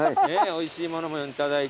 おいしいものもいただいて。